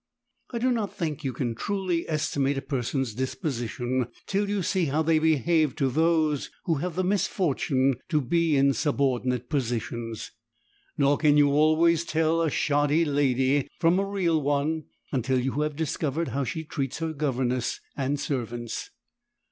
I do not think you can truly estimate a person's disposition till you see how they behave to those who have the misfortune to be in subordinate positions, nor can you always tell a shoddy lady from a real one until you have discovered how she treats her governess and servants.